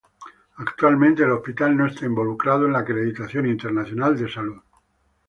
Actualmente, el hospital no está involucrado en la acreditación internacional de salud.